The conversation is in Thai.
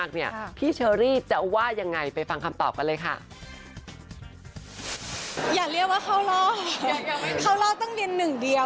ก็เลยอยากจะทำให้มันเป็นปกติกลับมาอีกครั้งนะ